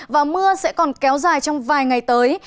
và mưa sẽ còn kéo dài trong vài ngày tới